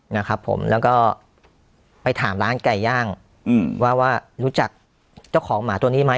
นะครับผมแล้วก็ไปถามร้านไก่ย่างอืมว่าว่ารู้จักเจ้าของหมาตัวนี้ไหม